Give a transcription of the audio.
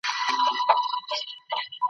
څوک په سره اهاړ کي تندي وه وژلي ,